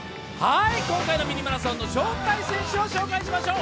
今回のミニマラソンの招待選手を紹介しましょう。